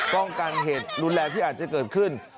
ป้องกันเหตุรุนแรงที่อาจจะเกิดขึ้น